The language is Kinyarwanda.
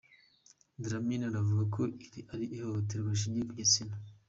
Dlamini anavuga ko iri ari ihohoterwa rishingiye ku gitsina.